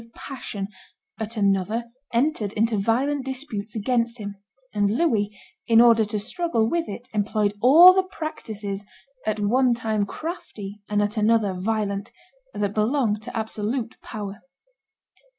with passion, at another entered into violent disputes against him; and Louis, in order to struggle with it, employed all the practices, at one time crafty and at another violent, that belong to absolute power.